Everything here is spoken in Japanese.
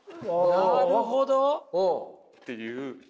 なるほど！っていう。